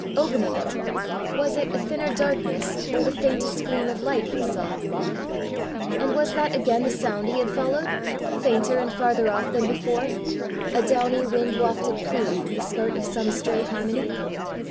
Opening it was it a thinner darkness or the faintest gleam of light he saw? And was that again the sound he had followed, fainter and farther off than before a downy wind wafted plume from the skirt of some stray harmony?